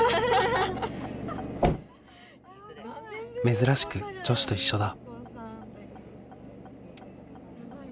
珍しく女子と一緒だ。